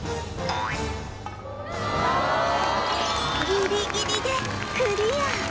ギリギリでクリア！